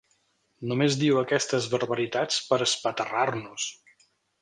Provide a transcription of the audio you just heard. Només diu aquestes barbaritats per espatarrar-nos.